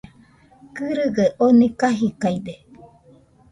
Kɨrɨgaɨ oni kajidaide